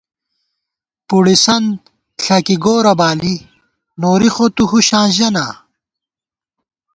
پُڑِسنت ݪَکی گورہ بالی نوری خو تُو ہُشاں ژَہ نا